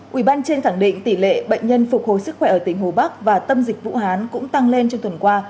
quỹ ban trên khẳng định tỷ lệ bệnh nhân phục hồi sức khỏe ở tỉnh hồ bắc và tâm dịch vũ hán cũng tăng lên trong tuần qua